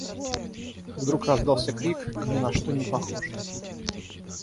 Вдруг раздался крик, ни на что не похожий.